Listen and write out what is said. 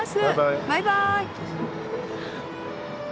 バイバーイ。